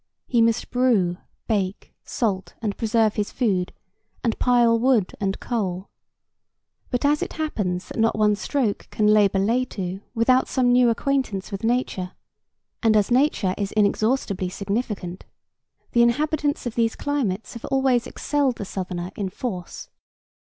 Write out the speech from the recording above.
He must brew, bake, salt and preserve his food, and pile wood and coal. But as it happens that not one stroke can labor lay to without some new acquaintance with nature, and as nature is inexhaustibly significant, the inhabitants of these climates have always excelled the southerner in force.